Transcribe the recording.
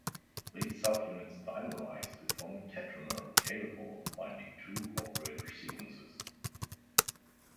These subunits dimerize to form a tetramer capable of binding two operator sequences.